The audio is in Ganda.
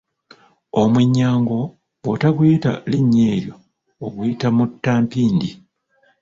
Omwennyango bw'otaguyita linnya eryo oguyita muttampindi.